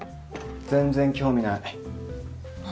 全然興味ない何？